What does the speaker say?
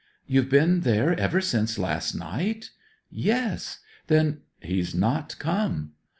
'You've been there ever since last night?' 'Yes.' 'Then ' 'He's not come.'